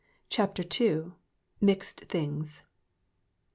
CHAPTER II. MIXED THINGS.